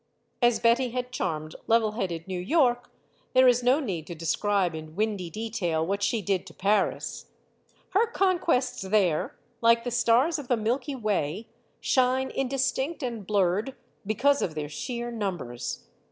As Betty had charmed level headed New York, there is no need to describe in windy detail what she did to Paris. Her conquests there like the stars of the Milky Way shine indistinct and blurred because of their sheer numbers.